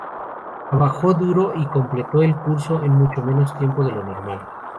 Trabajó duro y completó el curso en mucho menos tiempo de lo normal.